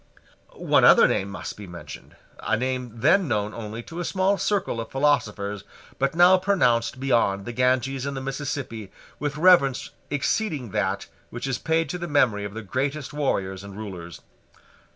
One other name must be mentioned, a name then known only to a small circle of philosophers, but now pronounced beyond the Ganges and the Mississippi with reverence exceeding that which is paid to the memory of the greatest warriors and rulers.